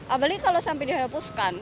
apalagi kalau sampai dihapuskan